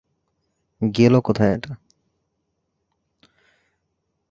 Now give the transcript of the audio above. গেল কোথায় এটা?